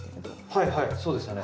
はいはいそうですね。